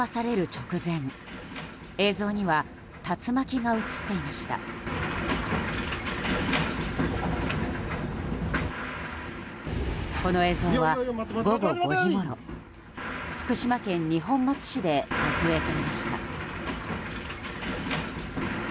この映像は午後５時ごろ福島県二本松市で撮影されました。